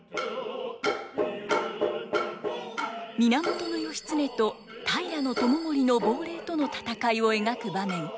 源義経と平知盛の亡霊との戦いを描く場面。